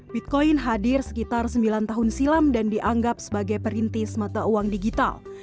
bitcoin hadir sekitar sembilan tahun silam dan dianggap sebagai perintis mata uang digital